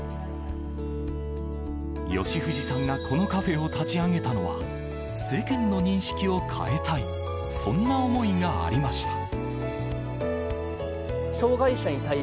吉藤さんがこのカフェを立ち上げたのは世間の認識を変えたいそんな思いがありました。